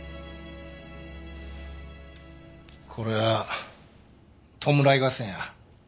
これは弔い合戦や。